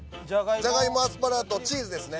ジャガイモアスパラとチーズですね。